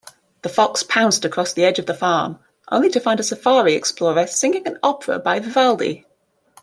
The fox pounced across the edge of the farm, only to find a safari explorer singing an opera by Vivaldi.